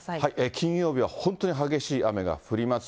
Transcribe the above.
金曜日は本当に激しい雨が降ります。